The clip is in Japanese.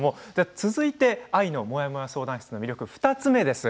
続いて「愛のモヤモヤ相談室」の魅力２つ目です。